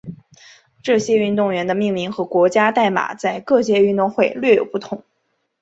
这些运动员的命名和国家代码在各届奥运会略有不同。